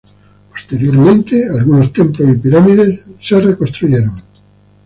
Posteriormente algunos templos y pirámides fueron reconstruidos.